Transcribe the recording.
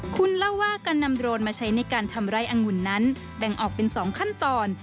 คุณเล่าว่าการนำโรนมาใช้ในการทำไร่อังุ่นนั้นแบ่งออกเป็น๒ขั้นตอน